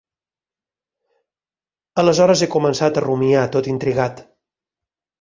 Aleshores he començat a rumiar, tot intrigat